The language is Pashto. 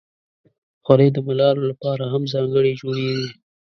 خولۍ د ملالو لپاره هم ځانګړې جوړیږي.